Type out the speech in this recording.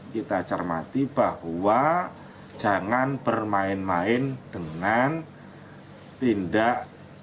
kita acermati bahwa jangan bermain main dengan tindak